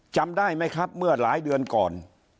จำได้ไหมครับเมื่อหลายเดือนก่อน